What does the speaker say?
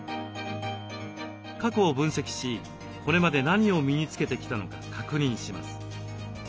過去を分析しこれまで何を身につけてきたのか確認します。